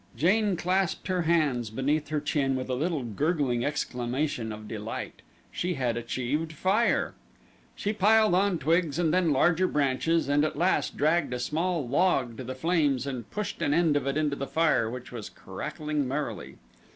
Jane clasped her hands beneath her chin with a little gurgling exclamation of delight. She had achieved fire! She piled on twigs and then larger branches and at last dragged a small log to the flames and pushed an end of it into the fire which was crackling merrily.